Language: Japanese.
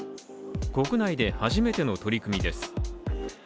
国内で初めての取り組みです。